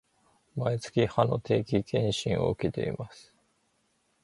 毎月、歯の定期検診を受けています